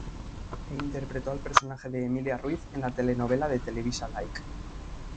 E interpretó al personaje de Emilia Ruiz, en la telenovela de Televisa Like.